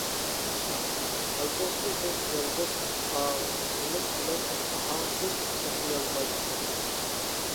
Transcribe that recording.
ھالبۇكى، بىز يالغۇز ئاغزىمىز بىلەن ئاھاڭسىز ئوقۇيالمايتتۇق.